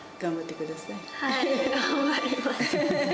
はい、頑張ります。